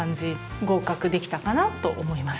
合格できたかなと思います。